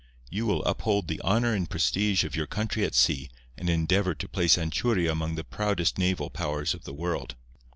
You will uphold the honour and prestige of your country at sea, and endeavour to place Anchuria among the proudest naval powers of the world.